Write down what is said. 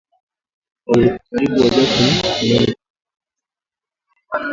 kwa ukaribu na Jackson, badala ya kuuliza maswali ya moja kwa moja